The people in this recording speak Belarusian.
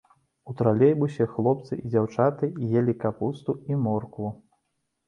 У тралейбусе хлопцы і дзяўчаты елі капусту і моркву.